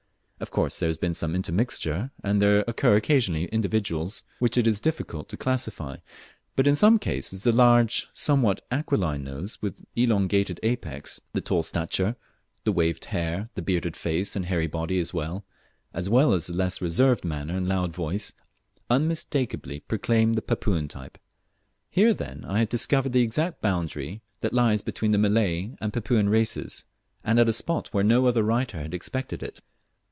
Of course there has been intermixture, and there occur occasionally individuals which it is difficult to classify; but in most cases the large, somewhat aquiline nose, with elongated apex, the tall stature, the waved hair, the bearded face, and hairy body, as well as the less reserved manner and louder voice, unmistakeably proclaim the Papuan type. Here then I had discovered the exact boundary lice between the Malay and Papuan races, and at a spot where no other writer had expected it.